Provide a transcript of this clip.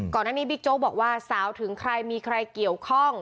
ก่อนหน้านี้บิ๊กโจ๊กบอกว่าสาวถึงใครมีใครเกี่ยวข้อง